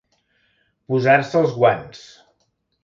Posar-se els guants.